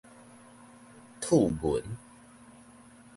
黜文